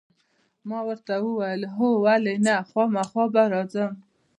ما ورته وویل: هو، ولې نه، خامخا به راځم.